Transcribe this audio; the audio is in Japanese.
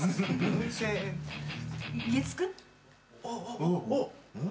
おっ。